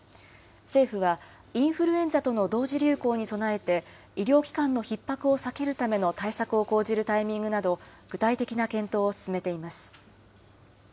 政府はインフルエンザとの同時流行に備えて、医療機関のひっ迫を避けるための対策を講じるタイミングなど、具体的な検討を進めています。